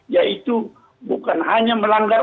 yaitu bukan hanya melanggar